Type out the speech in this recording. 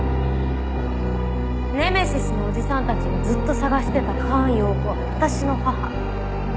ネメシスのおじさんたちがずっと捜してた菅容子は私の母。